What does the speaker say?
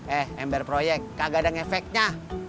eh ember proyek gak ada ngefeknya